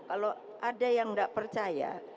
kalau ada yang tidak percaya